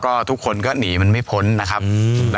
ก็ทุกคนก็หนีมันไม่พ้นนะครับ